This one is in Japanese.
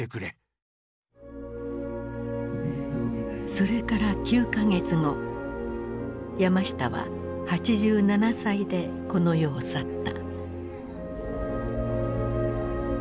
それから９か月後山下は８７歳でこの世を去った。